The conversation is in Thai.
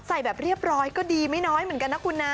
ใส่แบบเรียบร้อยก็ดีไม่น้อยเหมือนกันนะคุณนะ